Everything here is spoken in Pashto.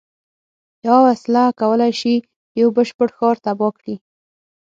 یوه وسله کولای شي یو بشپړ ښار تباه کړي